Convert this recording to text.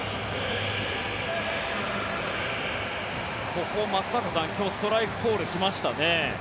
ここ、松坂さん今日ストライク来ましたね。